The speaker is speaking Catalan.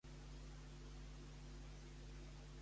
Fillon denuncia que no se l'està tractant de manera justa.